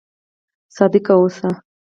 صادق اوسئ